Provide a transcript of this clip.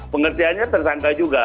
pengertiannya tersangka juga